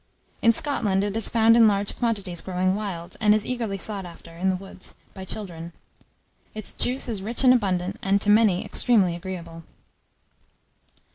In Scotland, it is found in large quantities, growing wild, and is eagerly sought after, in the woods, by children. Its juice is rich and abundant, and to many, extremely agreeable.